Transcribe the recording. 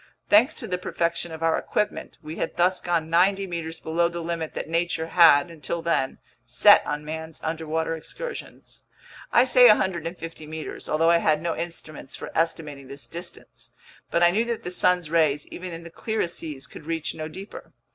Thanks to the perfection of our equipment, we had thus gone ninety meters below the limit that nature had, until then, set on man's underwater excursions. I say 150 meters, although I had no instruments for estimating this distance. But I knew that the sun's rays, even in the clearest seas, could reach no deeper.